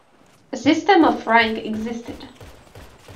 A system of rank existed.